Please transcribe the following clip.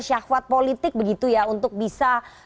syahwat politik begitu ya untuk bisa